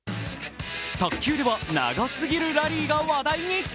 卓球では長すぎるラリーが話題に。